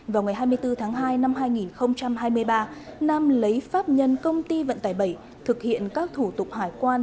vào ngày hai mươi bốn tháng hai năm hai nghìn hai mươi ba nam lấy pháp nhân công ty vận tải bảy thực hiện các thủ tục hải quan